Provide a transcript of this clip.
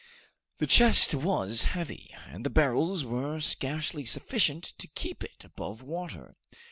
The chest was heavy, and the barrels were scarcely sufficient to keep it above water.